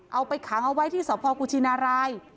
เอาไปขังเอาไว้ที่สพกุชินาราย